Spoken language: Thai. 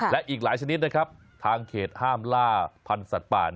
และอีกหลายชนิดนะครับทางเขตห้ามล่าพันธุ์สัตว์ป่า